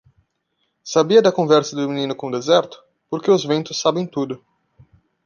Sabia da conversa do menino com o deserto? porque os ventos sabem tudo.